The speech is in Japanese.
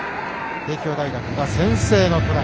帝京大学、先制トライ！